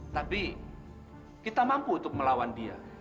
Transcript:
tapi kita mampu untuk melawan dia